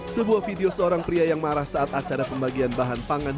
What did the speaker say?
sebuah video seorang pria yang marah saat acara pembagian bahan pangan